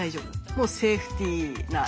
もうセーフティーな色。